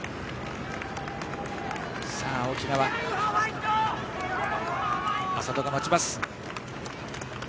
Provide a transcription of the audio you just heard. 沖縄の安里が待ちます。